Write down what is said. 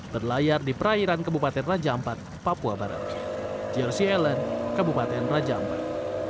berlayar di perairan kebupaten raja ampat papua barat